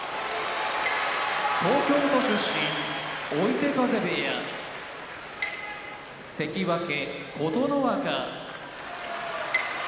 東京都出身追手風部屋関脇・琴ノ若千葉県出身